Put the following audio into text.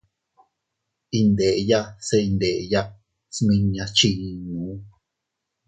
Iyndeya se iydenya smiñas chiinnu.